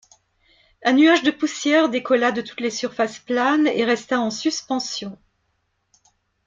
Un nuage de poussière décolla de toutes les surfaces planes et resta en suspension.